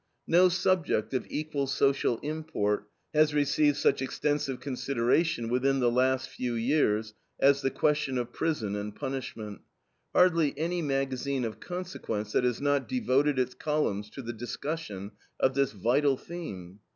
No subject of equal social import has received such extensive consideration within the last few years as the question of prison and punishment. Hardly any magazine of consequence that has not devoted its columns to the discussion of this vital theme.